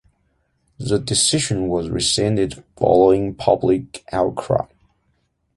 The decision was rescinded following public outcry.